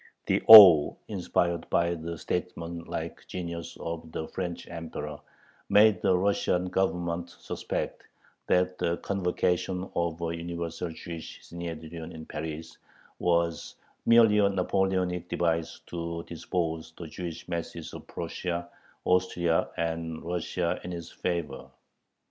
The awe inspired by the statesmanlike genius of the French Emperor made the Russian Government suspect that the convocation of a universal Jewish Synhedrion in Paris was merely a Napoleonic device to dispose the Jewish masses of Prussia, Austria, and Russia in his favor.